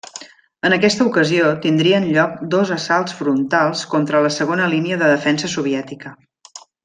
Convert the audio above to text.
En aquesta ocasió tindrien lloc dos assalts frontals contra la segona línia de defensa soviètica.